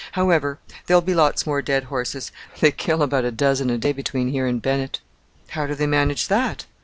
However, there'll be lots more dead horses: they kill about a dozen a day between here and Bennett." "How do they manage that?"